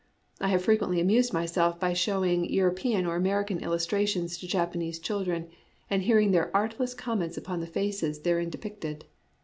I have frequently amused myself by showing European or American illustrations to Japanese children, and hearing their artless comments upon the faces therein depicted.